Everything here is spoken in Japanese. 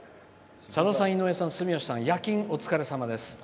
「さださん、井上さん、住吉さん夜勤、お疲れさまです。